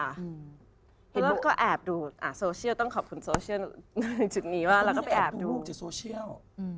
แล้วก็แอบดูอ่าโซเชียลต้องขอบคุณโซเชียล